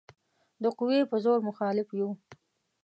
د قوې په زور مخالف یو.